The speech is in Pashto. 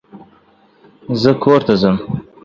زه کورته ځم